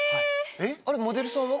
あれモデルさんは？